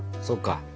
そうか。